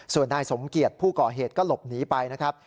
ส่วนนายสมเกียจผู้ก่อเหตุก็หลบหนีไปนะครับ